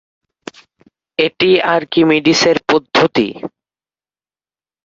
এটি আর্কিমিডিসের পদ্ধতি।